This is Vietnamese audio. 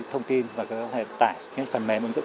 thông tin và có thể tải phần mềm ứng dụng